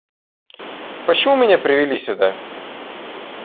Почему меня привели сюда?